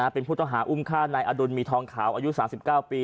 เป็นผู้ต้องหาอุ้มฆ่านายอดุลมีทองขาวอายุ๓๙ปี